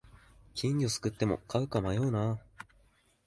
金魚すくっても飼うか迷うな